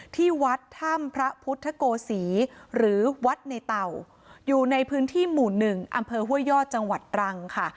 ที่วัดถ้ำพระพุทธโกศีหรือวัดในเต่าอยู่ในพื้นที่หมู่หนึ่งอำเภอห้วยยอดจังหวัดตรังค่ะ